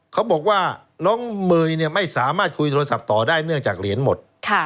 เขาบอกว่าน้องเมย์ไม่สามารถคุยโทรศัพท์ต่อได้เนื่องจากเหรียญหมด